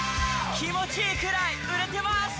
気持ちいいくらい売れてます！